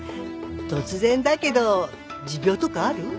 突然だけど持病とかある？